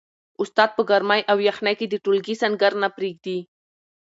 استاد په ګرمۍ او یخنۍ کي د ټولګي سنګر نه پریږدي.